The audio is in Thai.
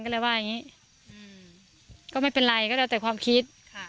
ก็เลยว่าอย่างนี้ก็ไม่เป็นไรก็แล้วแต่ความคิดค่ะ